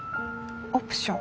オプション？